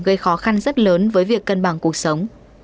gây khó khăn rất lớn với việc cân bằng cuộc sống